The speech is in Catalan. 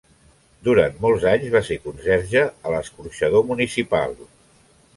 Durant molts anys va ser conserge a l'Escorxador Municipal.